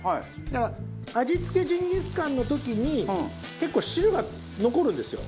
だから味つきジンギスカンの時に結構汁が残るんですよ。